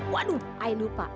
waduh i lupa